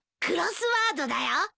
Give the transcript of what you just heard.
クロスワードだよ。